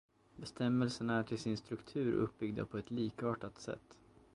Bestämmelserna är till sin struktur uppbyggda på ett likartat sätt.